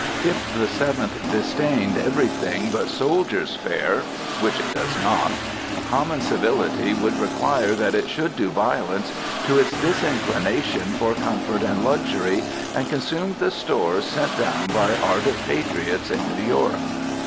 If the Seventh disdained everything but soldiers' fare, which it does not, common civility would require that it should do violence to its disinclination for comfort and luxury, and consume the stores sent down by ardent patriots in New York.